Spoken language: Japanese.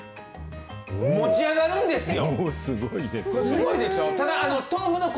持ち上がるんですよ。